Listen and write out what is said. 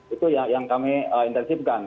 itu yang kami intensifkan